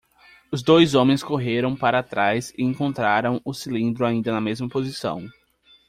Os dois homens correram para trás e encontraram o cilindro ainda na mesma posição.